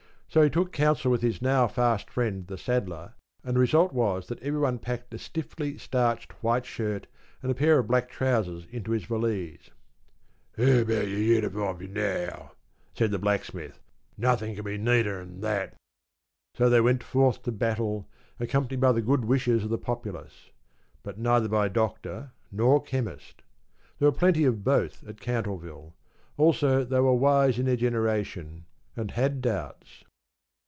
So he took counsel with his now fast friend the Saddler, and the result was that everyone packed a stiffly starched white shirt and a pair of black trousers into his valise. ‘How about your uniforms now?’ said the Blacksmith, ‘nothin' can't be neater'n that.’ So they went forth to battle, accompanied by the good wishes of the populace; but neither by Doctor nor Chemist. There were plenty of both at Cantleville. Also they were wise in their generation, and had doubts.